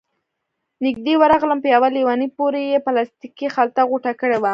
نږدې ورغلم، په يوه ليوني پورې يې پلاستيکي خلطه غوټه کړې وه،